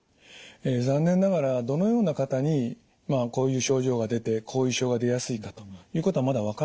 残念ながらどのような方にまあこういう症状が出て後遺症が出やすいかということはまだ分かっておりません。